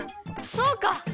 そうか！